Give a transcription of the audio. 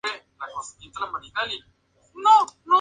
Como escritor, ha producido varias obras literarias y ensayos.